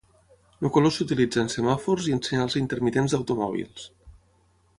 El color s'utilitza en semàfors i en senyals intermitents d'automòbils.